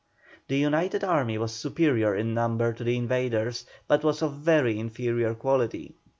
The united army was superior in number to the invaders, but was of very inferior quality.